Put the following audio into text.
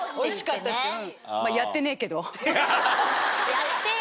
やってよ。